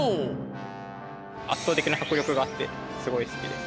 圧倒的な迫力があってすごい好きです。